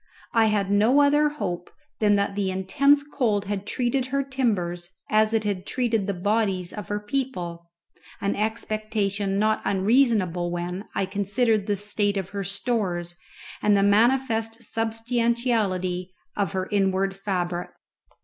I had no other hope than that the intense cold had treated her timbers as it had treated the bodies of her people, an expectation not unreasonable when I considered the state of her stores and the manifest substantiality of her inward fabric.